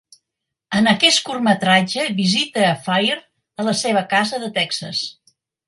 En aquest curtmetratge visita a Fair a la seva casa de Texas.